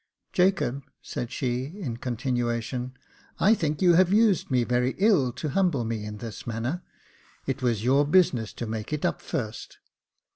Jacob," said she in continuation, " I think you have used me very ill to humble me in this manner. It was your business to make it up first."